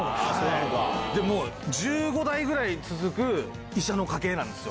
もう、１５代ぐらい続く医者の家系なんですよ。